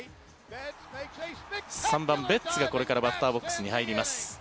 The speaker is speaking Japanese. ３番、ベッツが、これからバッターボックスに入ります。